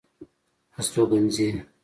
استوګنځي